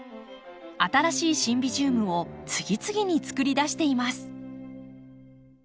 新しいシンビジウムを次々に作り出しています。